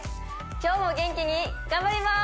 今日も元気に頑張ります！